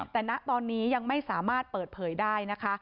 แต่ณตอนนี้ยังไม่สามารถเปิดเผยได้นะคะ